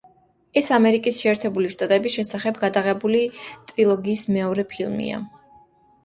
ეს ამერიკის შეერთებული შტატების შესახებ გადაღებული ტრილოგიის მეორე ფილმია.